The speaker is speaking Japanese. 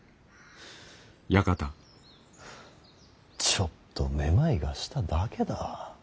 ちょっとめまいがしただけだ。